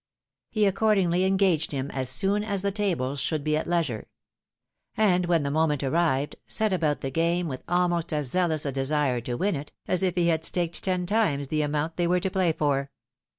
He accordingly engaged him as soon as the tables should be at leismre ; and when the moment arrived, set about the game with almost as zealous a desire to win it, as if he had staked ten times the amount they were to play for.